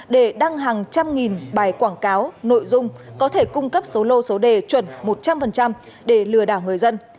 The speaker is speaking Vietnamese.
để đăng hàng trăm nghìn bài quảng cáo nội dung có thể cung cấp số lô số đề chuẩn một trăm linh để lừa đảo người dân